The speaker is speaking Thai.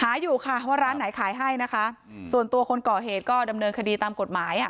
อยู่ค่ะว่าร้านไหนขายให้นะคะส่วนตัวคนก่อเหตุก็ดำเนินคดีตามกฎหมายอ่ะ